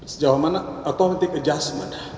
sejauh mana automatic adjustment